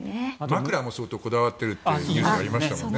枕も相当こだわっているというニュースありましたよね。